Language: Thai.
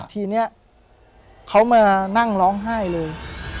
ทีนี้เขามานั่งร้องไห้เลย